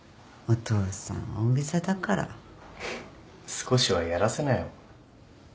少しはやらせなよ。